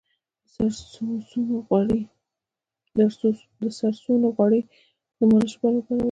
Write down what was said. د سرسونو غوړي د مالش لپاره وکاروئ